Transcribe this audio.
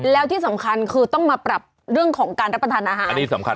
แล้วที่สำคัญคือต้องมาปรับเรื่องของการรับประทานอาหารอันนี้สำคัญ